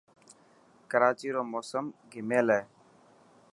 ڪراچي رو موسم گهميل هي.